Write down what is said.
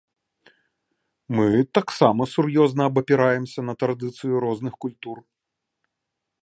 Мы таксама сур'ёзна абапіраемся на традыцыю розных культур.